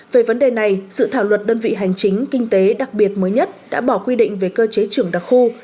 về vấn đề này dự thảo luật đơn vị hành chính kinh tế đặc biệt mới nhất đã bỏ quy định về cơ chế trưởng đặc khu